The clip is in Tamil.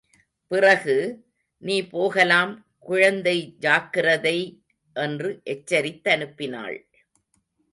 பிறகு, நீ போகலாம் குழந்தை ஜாக்கிரதை!... என்று எச்சரித்தனுப்பினாள்.